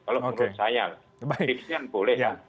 kalau menurut saya tips nya boleh ya